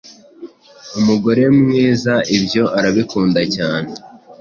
Umugore mwizaibyo arabikunda cyane